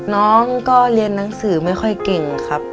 น้องก็เรียนหนังสือไม่ค่อยเก่งครับ